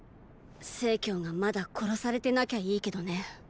成がまだ殺されてなきゃいいけどね。